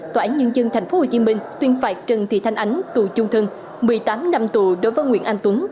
tòa án nhân dân tp hcm tuyên phạt trần thị thanh ánh tù chung thân một mươi tám năm tù đối với nguyễn anh tuấn